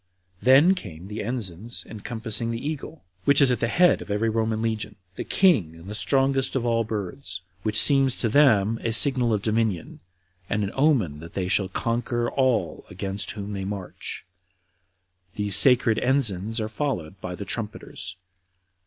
Then came the ensigns encompassing the eagle, which is at the head of every Roman legion, the king, and the strongest of all birds, which seems to them a signal of dominion, and an omen that they shall conquer all against whom they march; these sacred ensigns are followed by the trumpeters.